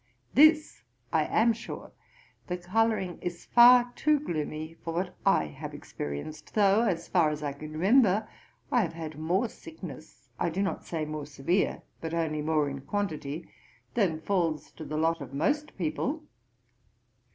This I am sure, the colouring is far too gloomy for what I have experienced, though as far as I can remember, I have had more sickness (I do not say more severe, but only more in quantity,) than falls to the lot of most people.